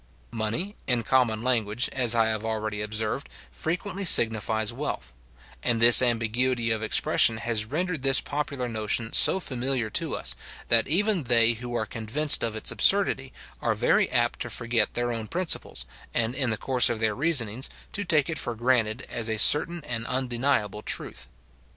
Money, in common language, as I have already observed, frequently signifies wealth; and this ambiguity of expression has rendered this popular notion so familiar to us, that even they who are convinced of its absurdity, are very apt to forget their own principles, and, in the course of their reasonings, to take it for granted as a certain and undeniable truth.